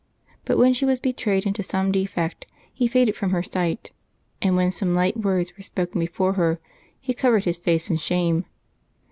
But when she was betrayed into some defect, he faded from her sight; and when some light words were spoken before her, he covered his face in shame.